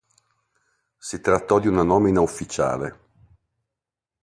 Si trattò di una nomina ufficiale.